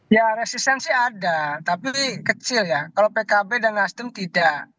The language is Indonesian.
ya resistensi ada tapi kecil ya kalau pkb dan nasdem tidak